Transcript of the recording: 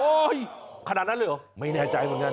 ขนาดนั้นเลยเหรอไม่แน่ใจเหมือนกัน